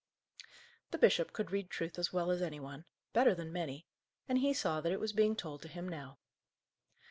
The bishop could read truth as well as any one better than many and he saw that it was being told to him now.